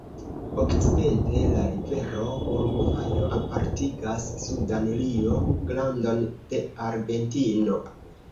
Okcidente, la rivero Urugvajo apartigas Sudan Rio-Grandon de Argentino.